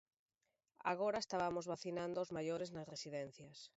Agora estabamos vacinando os maiores nas residencias.